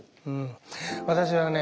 私はね